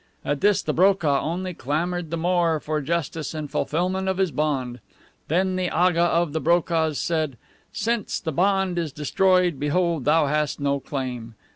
At this the BROKAH only clamored the more for justice and the fulfilment of his bond. Then the Aga of the BROKAHS said, "Since the bond is destroyed, behold thou hast no claim.